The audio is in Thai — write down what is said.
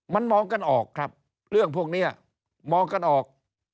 มันมองกันออกครับเรื่องพวกนี้มองกันออก